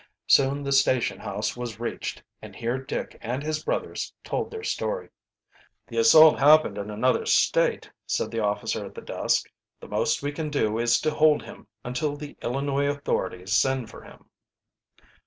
Soon the station house was reached, and here Dick and his brothers told their story. "The assault happened in another State," said the officer at the desk. "The most we can do is to hold him until the Illinois authorities send for him."